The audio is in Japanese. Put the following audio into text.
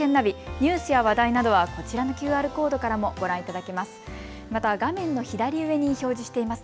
ニュースや話題などはこちらのＱＲコードからもご覧いただけます。